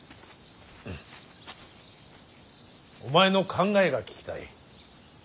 お前の考えが聞きたい。